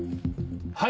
はい。